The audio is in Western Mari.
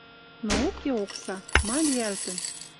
Но уке окса. Ма лиӓлтӹн?